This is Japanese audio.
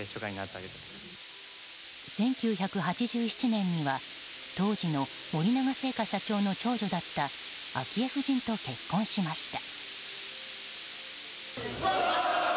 １９８７年には当時の森永製菓の社長の長女だった昭恵夫人と結婚しました。